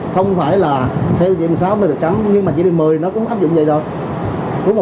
không phải là theo dịp sáu mươi được cấm nhưng mà chỉ đi một mươi nó cũng áp dụng vậy thôi